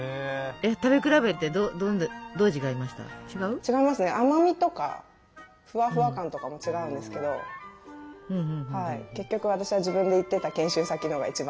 違いますね甘みとかフワフワ感とかも違うんですけど結局私は自分で行ってた研修先のが一番好きでしたね。